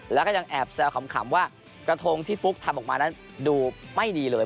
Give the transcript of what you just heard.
และอาจแซวขำว่ากระทงที่ฟุ๊กทำออกมานั้นดูไม่ดีเลย